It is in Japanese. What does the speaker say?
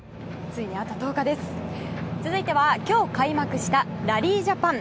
続いては、今日開幕したラリー・ジャパン。